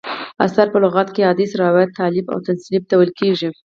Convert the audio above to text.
اثر: په لغت کښي حدیث، روایت، تالیف او تصنیف ته ویل کیږي.